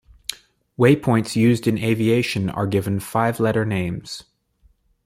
Waypoints used in aviation are given five-letter names.